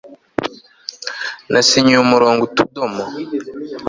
nasinyiye umurongo utudomo